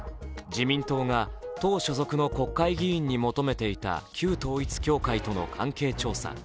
自民党が党所属の国会議員に求めていた旧統一教会との関係調査。